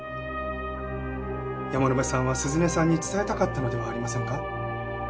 山野辺さんは涼音さんに伝えたかったのではありませんか？